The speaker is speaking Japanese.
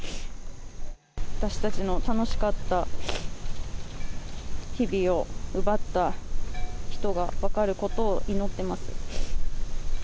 私たちの楽しかった日々を奪った人が分かることを祈ってます。